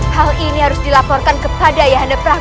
hal ini harus dilaporkan kepada ayah hanef rang